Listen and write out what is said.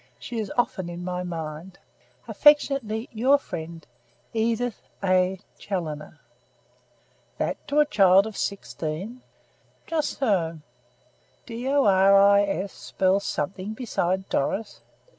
She is often, often in my mind. "Affectionately your friend, "EDITH A. CHALLONER." "That to a child of sixteen!" "Just so." "D o r i s spells something besides Doris."